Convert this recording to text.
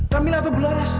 kamila atau bularas